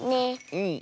うん。